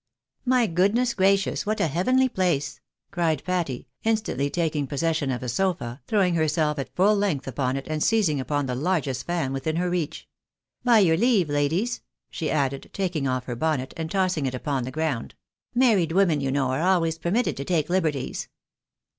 " My goodness gracious, what a heavenly place !" cried Patty, instantly taking possession of a sofa, throwing herself at fuU length upon it, and seizing upon the largest fan within her reach. " By your leave, ladies," she added, taking off her bonnet, and tossing it upon the ground, " married women, you know, are always permitted to take liberties."